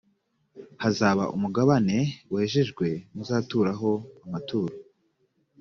hazaba umugabane wejejwe muzaturaho amaturo